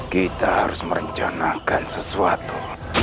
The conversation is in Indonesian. kita harus merencanakan sesuatu